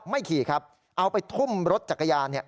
ไม่ขี่ครับเอาไปทุ่มรถจักรยาน